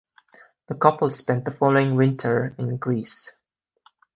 The couple spent the following winter in Greece.